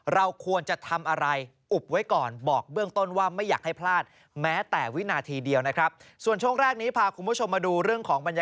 เราควรจะทำอะไรอุบไว้ก่อน